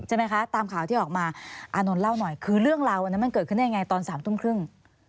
ใช่ไหมคะตามข่าวที่ออกมาอานนท์เล่าหน่อยคือเรื่องราวอันนั้นมันเกิดขึ้นได้ยังไงตอน๓ทุ่มครึ่ง